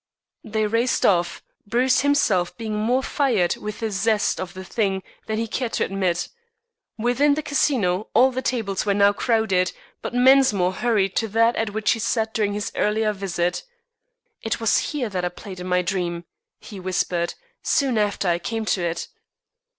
They raced off, Bruce himself being more fired with the zest of the thing than he cared to admit. Within the Casino all the tables were now crowded, but Mensmore hurried to that at which he sat during his earlier visit. "It was here that I played in my dream," he whispered, "soon after I came to it."